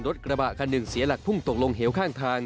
รถกระบะคันหนึ่งเสียหลักพุ่งตกลงเหวข้างทาง